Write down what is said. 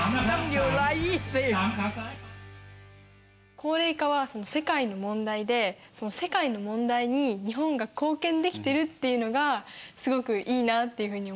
高齢化は世界の問題でその世界の問題に日本が貢献できてるっていうのがすごくいいなっていうふうに思いました。